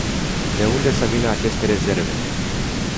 De unde să vină aceste rezerve?